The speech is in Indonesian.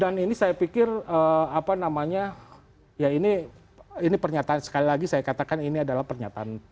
dan ini saya pikir apa namanya ya ini pernyataan sekali lagi saya katakan ini adalah pernyataan